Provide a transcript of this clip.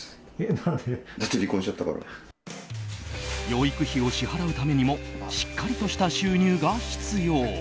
養育費を支払うためにもしっかりとした収入が必要。